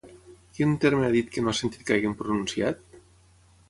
Quin terme ha dit que no ha sentit que hagin pronunciat?